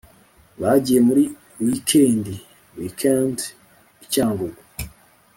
bagiye muri wikendi(week-end ) i cyangugu